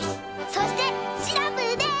そしてシナプーです！